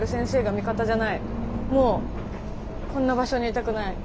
もうこんな場所にいたくない。